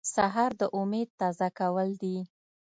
سهار د امید تازه کول دي.